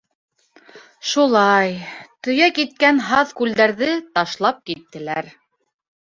Шулай, төйәк иткән һаҙ-күлдәрҙе ташлап киттеләр.